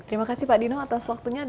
terima kasih pak dino atas waktunya